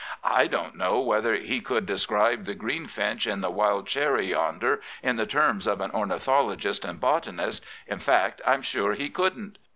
I don't know whether he could describe the greenfinch in the wild cherry yonder in the terms of an ornithologist and botanist — in fact, I'm sure he couldn't.